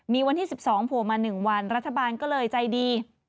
มีวันที่๑๒โผล่มา๑วันรัฐบาลก็เลยใจดี